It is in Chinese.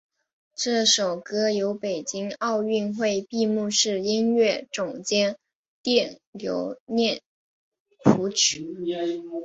这首歌由北京奥运会闭幕式音乐总监卞留念谱曲。